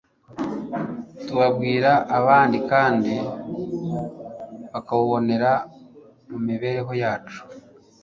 tuwubwira abandi kandi bakawubonera mu mibereho yacu